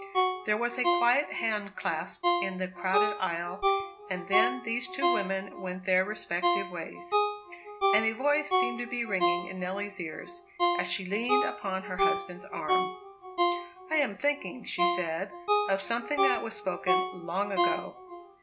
There was a quiet hand clasp in the crowded aisle; and then these two women went their respective ways. And a voice seemed to be ringing in Nelly's ears, as she leaned upon her husband's arm. "I am thinking," she said, "of something that was spoken long ago.